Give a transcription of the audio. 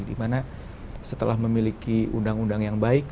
dimana setelah memiliki undang undang yang baik